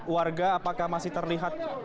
warga apakah masih terlihat